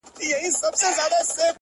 په دې ډېر ولس کي چا وهلی مول دی’